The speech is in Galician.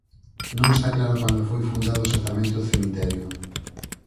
Non está claro cando foi fundado exactamente o cemiterio.